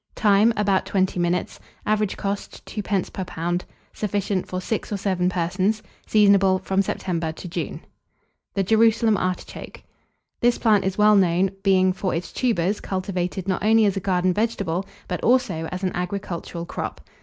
Time. About 20 minutes. Average cost, 2d. per lb. Sufficient for 6 or 7 persons. Seasonable from September to June. THE JERUSALEM ARTICHOKE. This plant is well known, being, for its tubers, cultivated not only as a garden vegetable, but also as an agricultural crop.